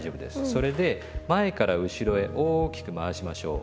それで前から後ろへ大きく回しましょう。